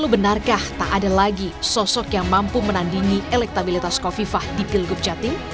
benarkah tak ada lagi sosok yang mampu menandingi elektabilitas kofifah di pilgub jatim